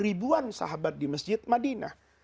ribuan sahabat di masjid madinah